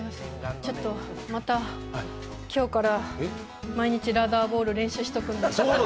ちょっとまた今日から毎日ラダーボール練習しておくんで。